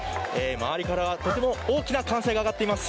周りからはとても大きな歓声が上がっています。